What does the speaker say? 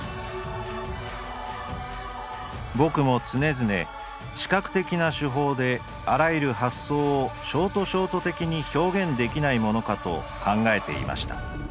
僕も常々視覚的な手法であらゆる発想をショートショート的に表現できないものかと考えていました」。